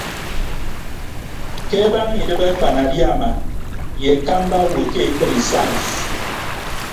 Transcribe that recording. Ke abaña idịb akpanadiama ye akamba awo ke ekpri sais.